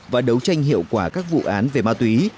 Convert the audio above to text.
và đấu tranh hiệu quả các vụ án về ma túy